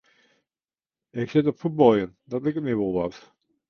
Ik sil op fuotbaljen, dat liket my wol wat.